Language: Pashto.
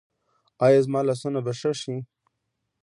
ایا زما لاسونه به ښه شي؟